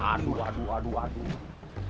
aduh aduh aduh aduh